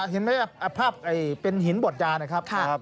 เห็นไหมครับภาพเป็นหินบดยานะครับ